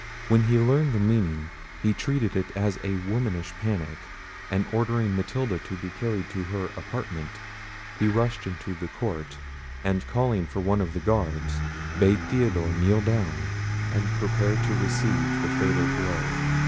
When he learned the meaning, he treated it as a womanish panic, and ordering Matilda to be carried to her apartment, he rushed into the court, and calling for one of his guards, bade Theodore kneel down, and prepare to receive the fatal blow.